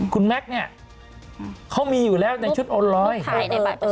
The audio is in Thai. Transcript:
คุณแม็กซ์เนี่ยเขามีอยู่แล้วในชุดโอนลอย